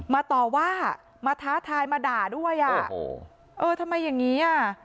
ต่อว่ามาท้าทายมาด่าด้วยอ่ะโอ้โหเออทำไมอย่างงี้อ่ะ